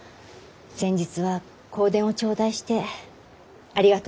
「先日は香典を頂戴してありがとう存じました」と。